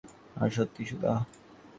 আর সত্যিই, শুধু, আহ!